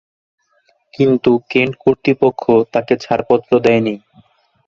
কিন্তু কেন্ট কর্তৃপক্ষ তাকে ছাড়পত্র দেয়নি।